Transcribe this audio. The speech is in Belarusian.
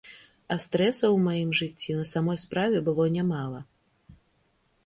А стрэсаў ў маім жыцці на самой справе было нямала.